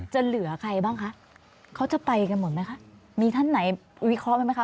เหลือใครบ้างคะเขาจะไปกันหมดไหมคะมีท่านไหนวิเคราะห์ไหมคะ